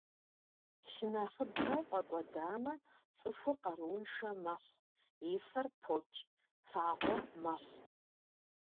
Лъы нэхъыбэ фӏэкӏуэдамэ, цӏыхур къарууншэ мэхъу, и фэр покӏ, фагъуэ мэхъу.